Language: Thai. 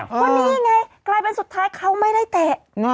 ก็นี่ไงกลายเป็นสุดท้ายเขาไม่ได้เตะ